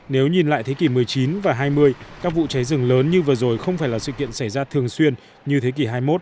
nếu nhìn lại thế kỷ một mươi chín và hai mươi các vụ cháy rừng lớn như vừa rồi không phải là sự kiện xảy ra thường xuyên như thế kỷ hai mươi một